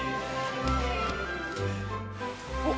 おっ！